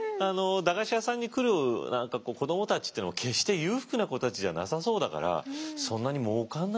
駄菓子屋さんに来る子どもたちっていうのも決して裕福な子たちじゃなさそうだからまあね